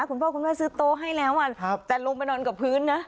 คุณพ่อคุณแม่ซื้อโต๊ะให้แล้วแต่ลงไปนอนกับพื้นนะ